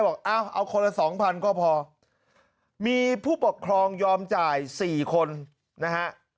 บอกเอาคนละสองพันก็พอมีผู้ปกครองยอมจ่าย๔คนนะฮะ